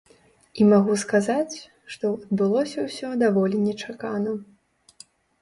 І магу сказаць, што адбылося ўсё даволі нечакана.